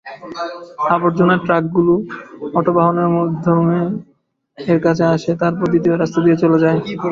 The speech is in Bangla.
আবর্জনার ট্রাকগুলো অটোবাহনের মাধ্যমে এর কাছে আসে, তারপর দ্বিতীয় রাস্তা দিয়ে চলে যায়।